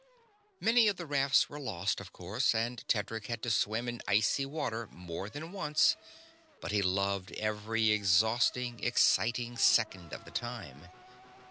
Many of the rafts were lost, of course; and Tedric had to swim in icy water more than once, but he loved every exhausting, exciting second of the time.